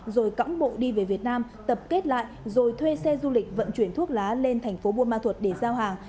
rồi cõng bộ đi về việt nam tập kết lại rồi thuê xe du lịch vận chuyển thuốc lá lên tp buôn ma thuật để giao hàng